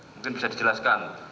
mungkin bisa dijelaskan